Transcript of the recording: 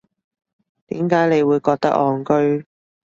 點解你會覺得戇居